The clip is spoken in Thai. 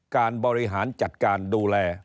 การบริหารจัดการดูแล